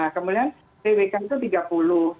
kemudian twk itu tiga puluh